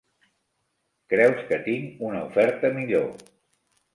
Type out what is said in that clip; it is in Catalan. Creus que tinc una oferta millor.